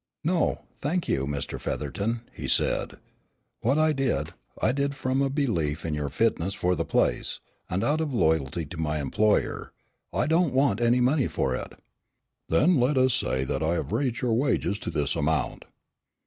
"No, I thank you, Mr. Featherton," he said, "what I did, I did from a belief in your fitness for the place, and out of loyalty to my employer. I don't want any money for it." "Then let us say that I have raised your wages to this amount."